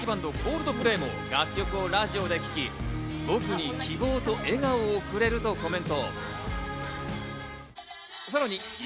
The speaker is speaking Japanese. あの世界的バンドＣｏｌｄｐｌａｙも楽曲をラジオで聴き、僕に希望と笑顔をくれるとコメント。